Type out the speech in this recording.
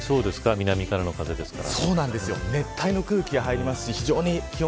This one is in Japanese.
南からの風ですから。